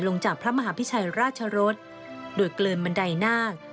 ลงจากพระมหาพิชัยราชรศโดยเกลินมันใดหน้า